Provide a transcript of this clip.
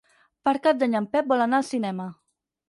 Per Cap d'Any en Pep vol anar al cinema.